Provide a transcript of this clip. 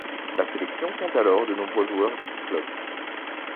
La sélection compte alors de nombreux joueurs de son club.